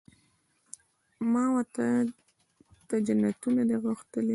ما وتا ته جنتونه دي غوښتلي